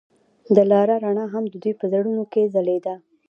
د لاره رڼا هم د دوی په زړونو کې ځلېده.